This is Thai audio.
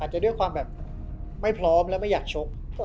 จะด้วยความแบบไม่พร้อมแล้วไม่อยากชก